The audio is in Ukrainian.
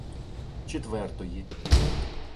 Четвертої